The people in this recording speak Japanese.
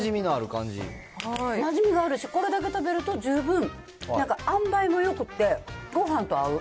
なじみがあるし、これだけ食べると十分、なんか塩梅もよくって、ごはんと合う。